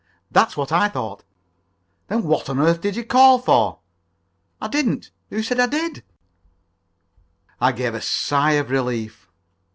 "That's what I thought." "Then what on earth did you call for?" "I didn't. Who said I did?" I gave a sigh of relief.